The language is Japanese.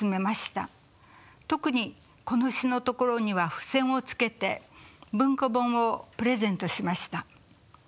特にこの詩のところには付箋をつけて文庫本をプレゼントしました。